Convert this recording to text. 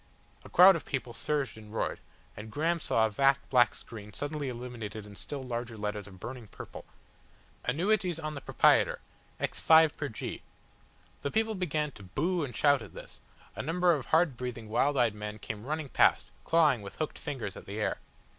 A crowd of people surged and roared, and Graham saw a vast black screen suddenly illuminated in still larger letters of burning purple. "Anuetes on the Propraiet'r x 5 pr. G." The people began to boo and shout at this, a number of hard breathing, wild eyed men came running past, clawing with hooked fingers at the air.